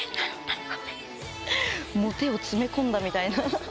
これモテを詰め込んだみたいな。